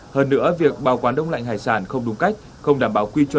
hơn nữa việc bảo quản đông lạnh hải sản không đúng cách không đảm bảo quy chuẩn